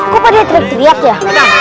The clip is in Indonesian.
kok pada teriak teriak ya